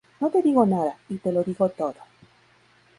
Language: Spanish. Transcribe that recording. No te digo nada, y te lo digo todo